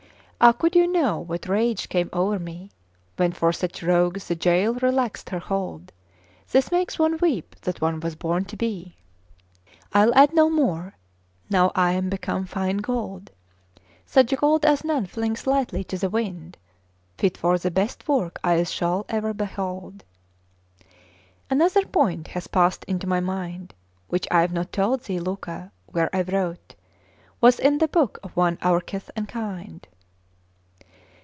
Ah! could you know what rage came over me, When for such rogues the jail relaxed her hold! This makes one weep that one was born to be! I'll add no more. Now I'm become fine gold, Such gold as none flings lightly to the wind, Fit for the best work eyes shall e'er behold. Another point hath passed into my mind, Which I've not told thee, Luca; where I wrote, Was in the book of one our kith and kind.